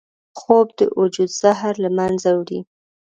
خوب د وجود زهر له منځه وړي